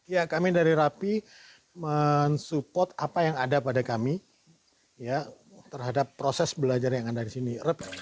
ya kami dari rapi mensupport apa yang ada pada kami terhadap proses belajar yang ada di sini